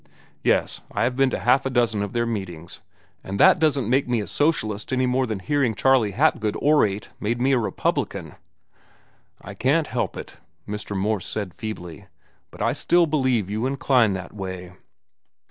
Yes, I have been to half a dozen of their meetings, but that doesn't make me a socialist any more than hearing Charley Hapgood orate made me a Republican." "I can't help it," Mr. Morse said feebly, "but I still believe you incline that way."